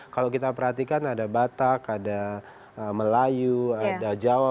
kalau kita perhatikan ada batak ada melayu ada jawa